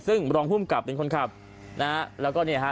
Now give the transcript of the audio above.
ซึ่งรองภูมิกับเป็นคนขับนะฮะแล้วก็เนี่ยฮะ